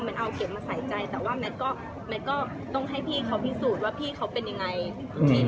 มันเอาเข็มมาใส่ใจแต่ว่าแมทก็แมทก็ต้องให้พี่เขาพิสูจน์ว่าพี่เขาเป็นยังไง